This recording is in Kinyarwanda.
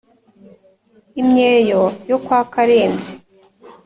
imyeyo yo kwa karenzi